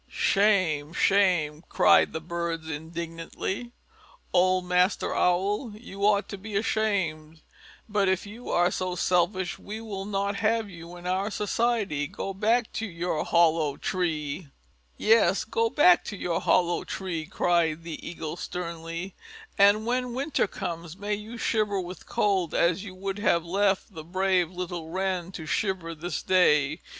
"Shame! Shame!" cried the birds indignantly. "Old Master Owl, you ought to be ashamed. But if you are so selfish we will not have you in our society. Go back to your hollow tree!" "Yes, go back to your hollow tree," cried the Eagle sternly; "and when winter comes may you shiver with cold as you would have left the brave little Wren to shiver this day.